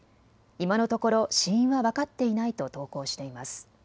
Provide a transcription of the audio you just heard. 今のところ死因は分かっていないと投稿しています。